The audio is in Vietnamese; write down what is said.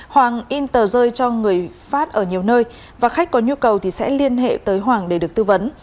hoàng in tờ rơi cho người phát ở nhiều nơi và khách có nhu cầu thì sẽ liên hệ tới hoàng để được tư vấn